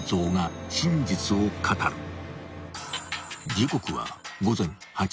［時刻は］